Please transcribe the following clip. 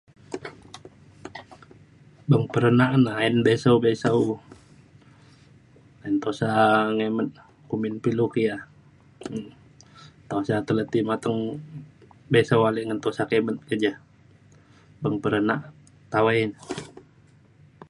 beng perenak ne ayen bisau bisau ayen tusa ngimet kumbin pe ilu ke ia'. tusa tele ti mateng bisau ale ngan tusa kimet ke ja beng perenak tawai.